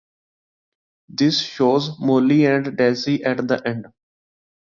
This shows Molly and Daisy at the end.